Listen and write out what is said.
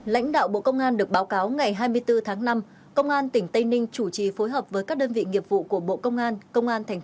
lãnh đạo bộ công an được báo cáo ngày hai mươi bốn tháng năm công an tỉnh tây ninh chủ trì phối hợp với các đơn vị nghiệp vụ của bộ công an công an tp hcm